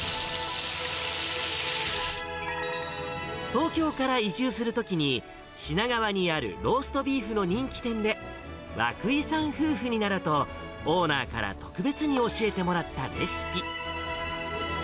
東京から移住するときに、品川にあるローストビーフの人気店で、涌井さん夫婦にならと、オーナーから特別に教えてもらったレシピ。